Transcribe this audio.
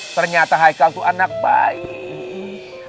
ternyata haikal tuh anak baik